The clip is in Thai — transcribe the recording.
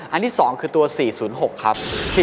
ที่๒คือตัว๔๐๖ครับ